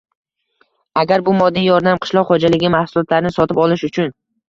Agar bu moddiy yordam qishloq xo‘jaligi mahsulotlarini sotib olish uchun